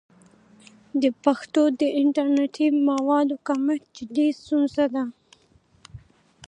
د پښتو د انټرنیټي موادو کمښت جدي ستونزه ده.